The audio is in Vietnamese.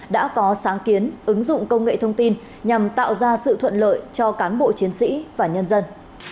đã có sáng kiến ứng dụng công nghệ thông tin nhằm tạo ra sự thuận lợi cho cán bộ chiến sĩ và nhân dân